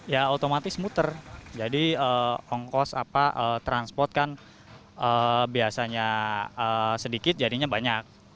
ya otomatis muter jadi ongkos transport kan biasanya sedikit jadinya banyak